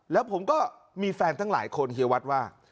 แล้วผมก็มีแฟนทั้งหลายคนเฮียวัดว่า